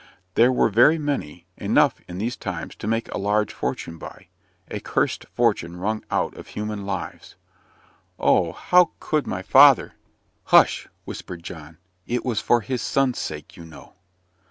There were very many; enough, in these times, to make a large fortune by a cursed fortune wrung out of human lives. "Oh! how could my father " "Hush!" whispered John, "it was for his son's sake, you know."